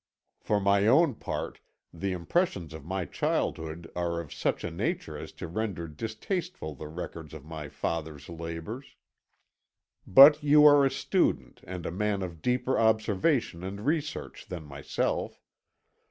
For my own part the impressions of my childhood are of such a nature as to render distasteful the records of my father's labours. But you are a student and a man of deeper observation and research than myself.